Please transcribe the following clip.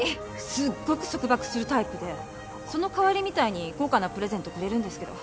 すっごく束縛するタイプでその代わりみたいに高価なプレゼントくれるんですけど。